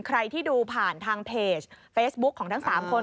ใครที่ดูผ่านทางเพจเฟซบุ๊คของทั้ง๓คน